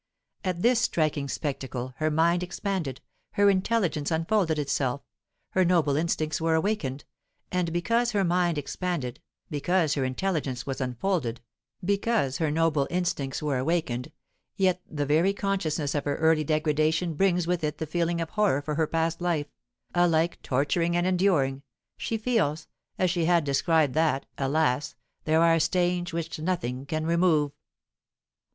At this striking spectacle her mind expanded, her intelligence unfolded itself, her noble instincts were awakened; and because her mind expanded, because her intelligence was unfolded, because her noble instincts were awakened, yet the very consciousness of her early degradation brings with it the feeling of horror for her past life, alike torturing and enduring, she feels, as she had described, that, alas! there are stains which nothing can remove.